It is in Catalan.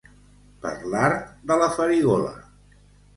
Per l'art de la farigola.